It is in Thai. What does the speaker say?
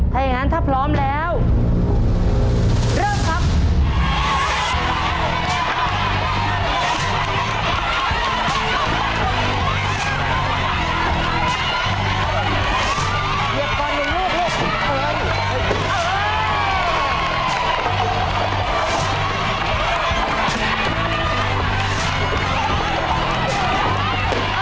ถ้าอย่างนั้นถ้าพร้อมแล้วเริ่มครับ